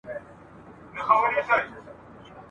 پکښي بند سول د مرغانو وزرونه ,